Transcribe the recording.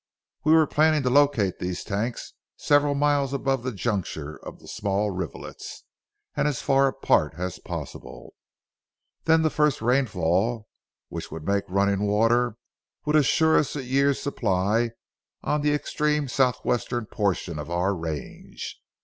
We were planning to locate these tanks several miles above the juncture of the small rivulets, and as far apart as possible. Then the first rainfall which would make running water, would assure us a year's supply on the extreme southwestern portion of our range.